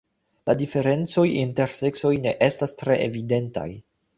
La diferencoj inter seksoj ne estas tre evidentaj.